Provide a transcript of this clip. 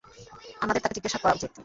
আমাদের তাকে জিজ্ঞেস করা উচিত।